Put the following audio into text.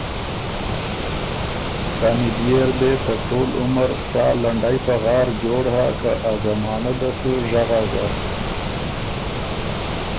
کاني بيې ر دې ته ټول عمر سا لنډئ پغار جوړ هۀ، که ا زمانۀ ده سُو ژغا زر“